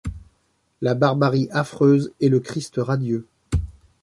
La Barbarie affreuse et le Christ radieux ;